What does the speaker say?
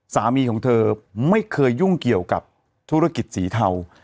สามีของเธอไม่เคยยุ่งเกี่ยวกับธุรกิจสีเทา